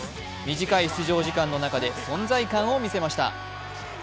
短い出場時間の中で存在感を見せました。